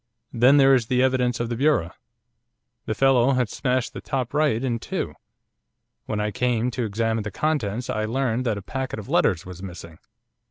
Then there is the evidence of the bureau. The fellow had smashed the top right in two. When I came to examine the contents I learned that a packet of letters was missing.